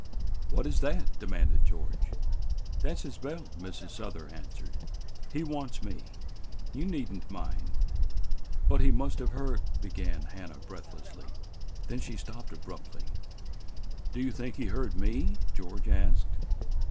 "What is that?" demanded George. "That's his bell," Mrs. Souther answered. "He wants me. You need n't mind." "But he must have heard " began Hannah breathlessly. Then she stopped abruptly. "Do you think he heard me?" George asked.